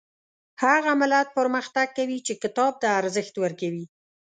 هغه ملت پرمختګ کوي چې کتاب ته ارزښت ورکوي